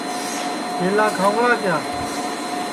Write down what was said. کیلا کھاؤنگڑا کِیا